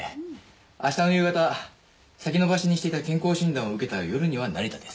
明日の夕方先延ばしにしていた健康診断を受けた夜には成田です。